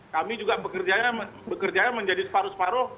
kami juga bekerjanya menjadi separuh separuh